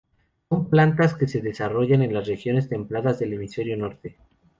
Son plantas que se desarrollan en las regiones templadas del hemisferio norte.